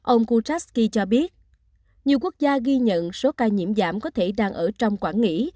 ông kucharski cho biết nhiều quốc gia ghi nhận số ca nhiễm giảm có thể đang ở trong quảng nghỉ